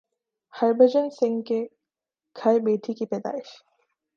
ہربھجن سنگھ کے گھر بیٹی کی پیدائش